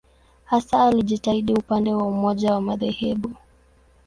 Hasa alijitahidi upande wa umoja wa madhehebu.